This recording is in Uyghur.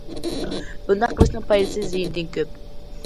بۇنداق قىلىشنىڭ پايدىسى زىيىنىدىن كۆپ.